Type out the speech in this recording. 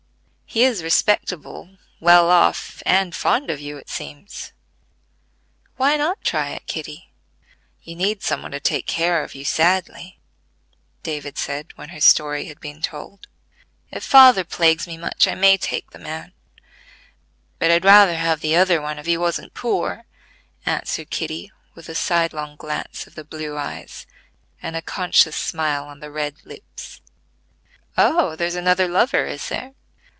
He is respectable, well off, and fond of you, it seems. Why not try it, Kitty? You need some one to take care of you sadly," David said, when her story had been told. "If father plagues me much I may take the man; but I'd rather have the other one if he wasn't poor," answered Kitty with a side long glance of the blue eyes, and a conscious smile on the red lips. "Oh, there's another lover, is there?"